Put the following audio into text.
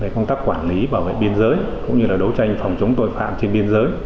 công tác quản lý bảo vệ biên giới cũng như đấu tranh phòng chống tội phạm trên biên giới